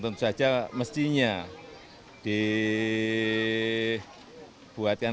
ternyata menjadi susun